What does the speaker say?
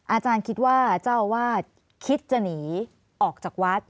อาจารย์คิดว่าเจ้าอาวาสคิดจะหนีออกจากวัด